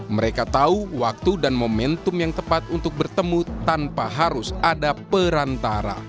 mereka tahu waktu dan momentum yang tepat untuk bertemu tanpa harus ada perantara